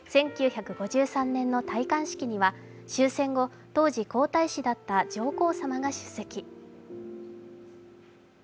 １９５３年の戴冠式には、終戦後、当時皇太子だった上皇さまが出席。